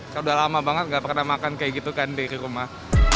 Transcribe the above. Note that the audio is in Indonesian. sudah lama banget nggak pernah makan kayak gitu kan dari rumah